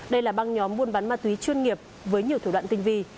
đây là băng nhóm buôn bán ma túy chuyên nghiệp với nhiều thủ đoạn tinh vi